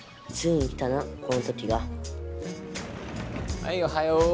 はいおはよう。